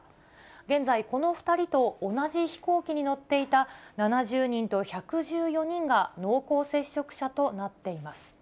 現在、この２人と同じ飛行機に乗っていた７０人と１１４人が、濃厚接触者となっています。